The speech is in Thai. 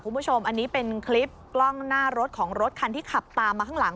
คุณผู้ชมอันนี้เป็นคลิปกล้องหน้ารถของรถคันที่ขับตามมาข้างหลัง